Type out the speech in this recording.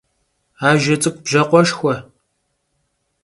Ajje ts'ık'u bjakhueşşxue.